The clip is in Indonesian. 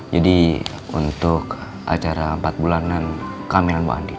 jadi untuk acara empat bulanan kamelan bu andin